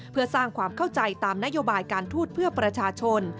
เพื่อสร้างความเข้าใจตามนโยบายการทูตเพื่อประชาชน